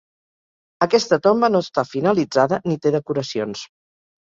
Aquesta tomba no està finalitzada ni té decoracions.